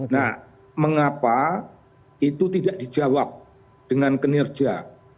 nah mengapa itu tidak dijawab dengan kinerja